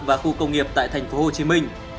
và khu công nghiệp tại tp hcm